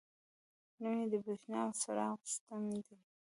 نوم یې د بریښنا او څراغونو ستنې دي.